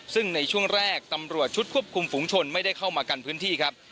ซึ่งในช่วงแรกตำรวจชุดควบคุมฝุงชนไม่ได้เข้ามากันพื้นที่ครับ